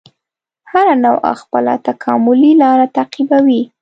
هره نوعه خپله تکاملي لاره تعقیبوي.